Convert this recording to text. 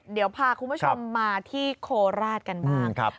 เดี๋ยวพาคุณผู้ชมมาที่โคราชกันบ้าง